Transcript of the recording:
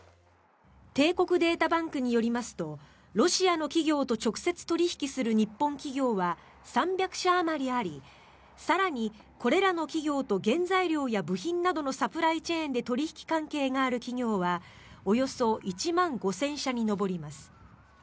帝国データバンクによりますとロシアの企業と直接取引する日本企業は３００社あまりあり更に、これらの企業と原材料や部品などのサプライチェーンで取引関係がある企業はおよそ１万５０００社に上ります。